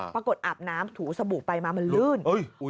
ปรากฏอาบน้ำถูสบุไปมามันลื่นเอ้ย